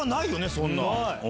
そんな。